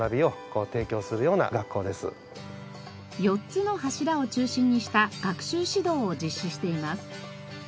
４つの柱を中心にした学習指導を実施しています。